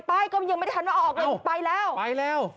ป้ายก็ยังไม่ทันว่าออกเลยอ้าวไปแล้วไปแล้ว